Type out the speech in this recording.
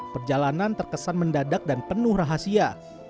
perjalanan terkesan mendadak dan penuh rahasia